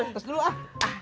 terus dulu ah